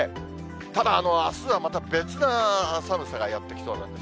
ただ、あすはまた別な寒さがやって来そうなんです。